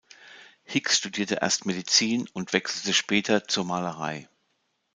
Hicks studierte erst Medizin und wechselte später zur Malerei.